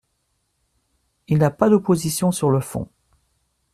Il n’a pas d’opposition sur le fond.